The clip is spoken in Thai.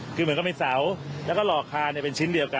คือเหมือนก็ไม่เสาและก็หล่อคานเป็นชิ้นเดียวกัน